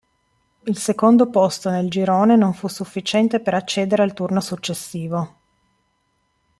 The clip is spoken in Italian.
Il secondo posto nel girone non fu sufficiente per accedere al turno successivo.